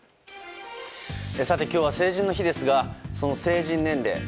今日は成人の日ですがその成人年齢